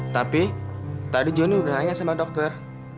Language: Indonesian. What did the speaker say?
tapi tadi johnny udah nanya sama dokter